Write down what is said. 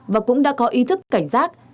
và cũng đã có ý thức cảnh giác